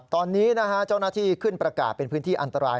ตอนนี้เจ้าหน้าที่ขึ้นประกาศเป็นพื้นที่อันตราย